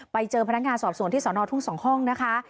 ไปเจอพนักงานสอบสวนที่สนทุ่ง๒ห้องนะคะ